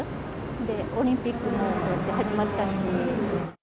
で、オリンピックもこうやって始まったし。